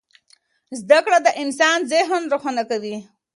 زده کړه د انسان ذهن روښانه کوي.